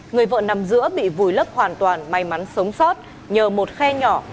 người vợ nằm giữa bị vùi lấp hoàn toàn may mắn sống sót nhờ một khe nhỏ